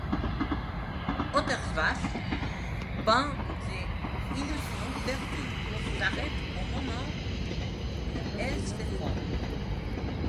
Ottersbach peint des illusions perdues, s'arrête au moment où elles se forment.